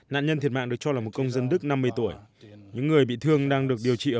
nạn nhân thiệt mạng được cho là một công dân đức năm mươi tuổi những người bị thương đang được điều trị ở